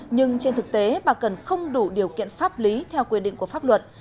nhưng trên thực tế bà cần không đủ điều kiện pháp lý theo quy định của pháp luật